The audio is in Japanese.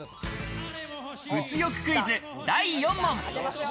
物欲クイズ第４問。